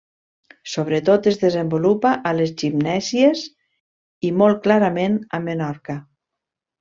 Sobretot es desenvolupa a les Gimnèsies, i molt clarament a Menorca.